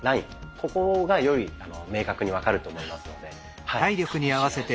ここがより明確に分かると思いますのではい。